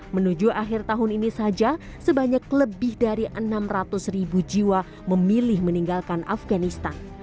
menuju akhir tahun ini saja sebanyak lebih dari enam ratus ribu jiwa memilih meninggalkan afganistan